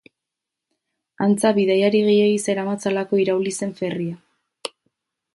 Antza, bidaiari gehiegi zeramatzalako irauli zen ferrya.